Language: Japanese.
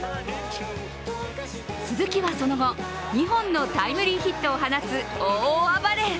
鈴木はその後、２本のタイムリーヒットを放つ、大暴れ。